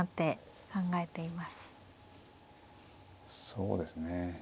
そうですね。